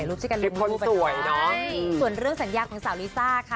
อู๊เซ็กซี่มาก